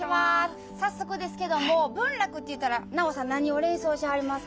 早速ですけども文楽っていうたら奈央さん何を連想しはりますか？